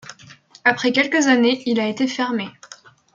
Après quelques années, il a été fermé.